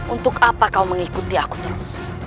untuk apa kau mengikuti aku terus